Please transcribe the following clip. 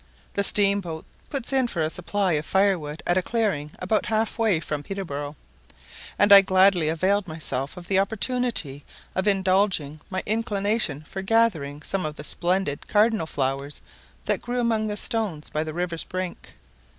The steam boat put in for a supply of fire wood at a clearing about half way from Peterborough, and I gladly availed myself of the opportunity of indulging my inclination for gathering some of the splendid cardinal flowers that grew among the stones by the river's brink.